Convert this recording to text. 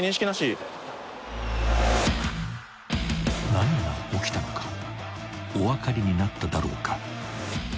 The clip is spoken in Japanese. ［何が起きたのかお分かりになっただろうか？］